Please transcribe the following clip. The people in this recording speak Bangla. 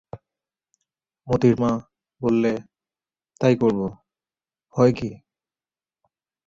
মোতির মা বললে, তাই করব, ভয় কী?